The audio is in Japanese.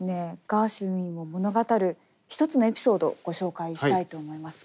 ガーシュウィンを物語る一つのエピソードをご紹介したいと思います。